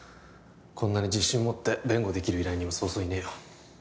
こんなに自信持って弁護できる依頼人はそうそういねえよ